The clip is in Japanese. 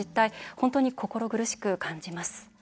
本当に心苦しく感じます。